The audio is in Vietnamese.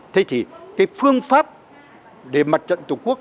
thế thì cái phương pháp để mặt trận tổ quốc